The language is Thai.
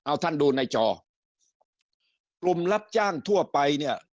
เอาท่านดูในจอกลุ่มรับจ้างทั่วไปเนี่ย